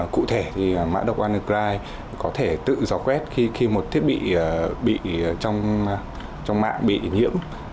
cụ thể thì mã độc warner crye có thể tự gió quét khi một thiết bị trong mạng bị nhiễm